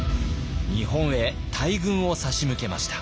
日本へ大軍を差し向けました。